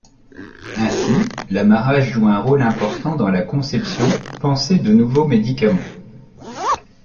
Ainsi, l'amarrage joue un rôle important dans la conception pensée de nouveaux médicaments.